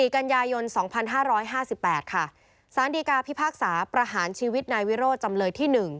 กันยายน๒๕๕๘ค่ะสารดีกาพิพากษาประหารชีวิตนายวิโรธจำเลยที่๑